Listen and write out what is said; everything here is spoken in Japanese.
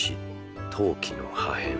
陶器の破片。